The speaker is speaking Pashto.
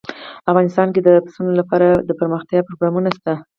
افغانستان کې د پسونو لپاره دپرمختیا پروګرامونه شته.